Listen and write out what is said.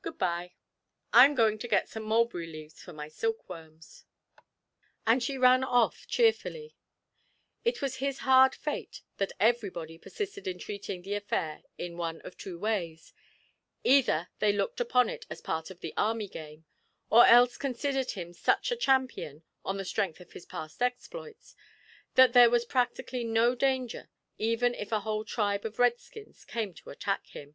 Good bye; I'm going to get some mulberry leaves for my silkworms.' And she ran off cheerfully. It was his hard fate that everybody persisted in treating the affair in one of two ways either they looked upon it as part of the army game, or else considered him such a champion, on the strength of his past exploits, that there was practically no danger even if a whole tribe of Redskins came to attack him.